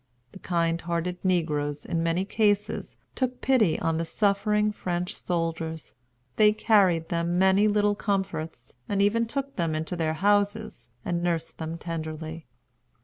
The kind hearted negroes, in many cases, took pity on the suffering French soldiers; they carried them many little comforts, and even took them into their houses, and nursed them tenderly.